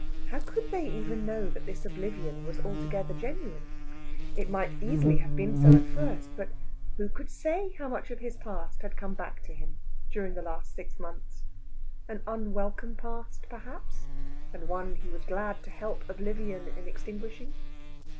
How could they even know that this oblivion was altogether genuine? It might easily have been so at first, but who could say how much of his past had come back to him during the last six months? An unwelcome past, perhaps, and one he was glad to help Oblivion in extinguishing.